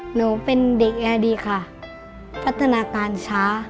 หนูเป็นเด็กแอร์ดีค่ะพัฒนาการช้า